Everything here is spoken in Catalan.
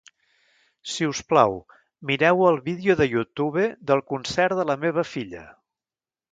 Si us plau, mireu el vídeo de Youtube del concert de la meva filla.